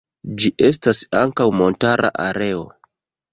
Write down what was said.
Ĝi estas ankaŭ montara areo.